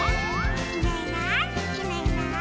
「いないいないいないいない」